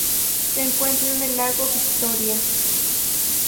Se encuentra en el lago Victoria.